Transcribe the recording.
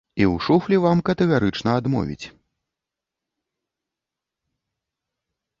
І ў шуфлі вам катэгарычна адмовіць.